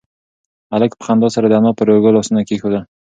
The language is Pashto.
هلک په خندا سره د انا پر اوږو لاسونه کېښودل.